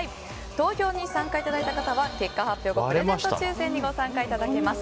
投票に参加いただいた方には結果発表後プレゼント抽選にご参加いただけます。